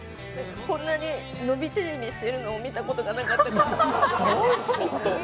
こんなに伸び縮みしているのを見たことがなかったので。